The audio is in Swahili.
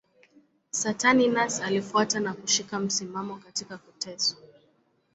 Saturninus alifuata na kushika msimamo katika kuteswa.